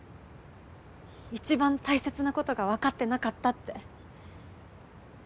一番大切なことが分かってなかったって。